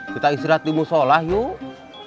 kita istirahat di musola yuk